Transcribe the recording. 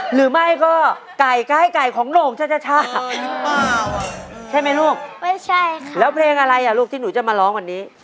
หรือไม่ก็ไก่ก็ให้ไก่ของโหน่งชาใช่ไหมลูกไม่ใช่ค่ะแล้วเพลงอะไรอ่ะลูกที่หนูจะมาร้องวันนี้